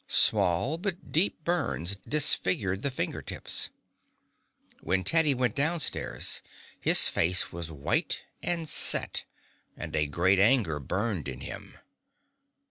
Small but deep burns disfigured the finger tips. When Teddy went down stairs his face was white and set, and a great anger burned in him.